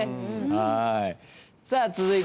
はい！